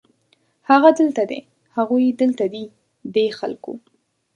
هغه دلته دی، هغوی دلته دي ، دې خلکو